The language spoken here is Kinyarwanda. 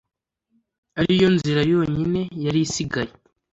ari yo nzira yonyine yari isigaye